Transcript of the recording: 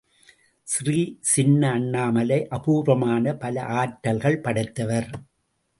ஸ்ரீ சின்ன அண்ணாமலை அபூர்வமான பல ஆற்றல்கள் படைத்தவர்.